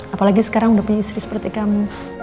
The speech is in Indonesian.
apalagi sekarang udah punya istri seperti kamu